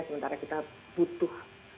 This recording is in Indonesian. sementara kita butuh